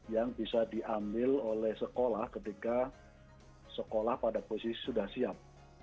yang bisa diambil oleh sekolah ketika sekolah pada posisi sudah siap